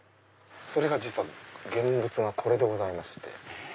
それが実は現物がこれでございまして。